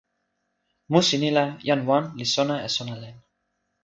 musi ni la jan wan li sona e sona len.